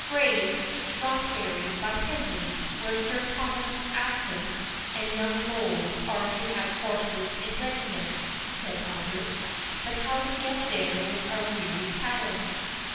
"Gray's—Rothebury, by Henley, where Sir Thomas Acland and young Knolles are to have horses in readiness," said Albert; "but how to get there with our weary cattle?"